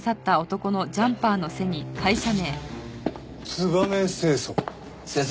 ツバメ清掃？